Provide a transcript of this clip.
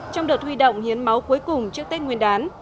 trong đợt huy động hiến máu cuối cùng trước tết nguyên đán